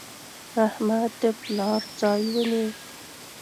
احمد د پلار ځای ونیو.